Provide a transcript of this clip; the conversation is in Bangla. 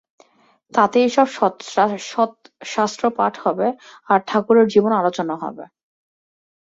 তাতে এইসব সৎশাস্ত্র-পাঠ হবে, আর ঠাকুরের জীবন আলোচনা হবে।